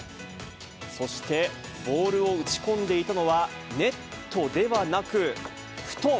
そして、ボールを打ち込んでいたのは、ネットではなく、布団。